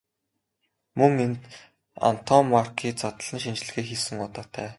Мөн энд Антоммарки задлан шинжилгээ хийсэн удаатай.